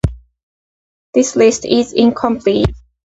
This list is incomplete.